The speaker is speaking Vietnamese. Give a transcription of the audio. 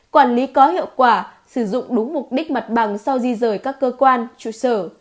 quản lý có hiệu quả sử dụng đúng mục đích mặt bằng sau di rời các cơ quan trụ sở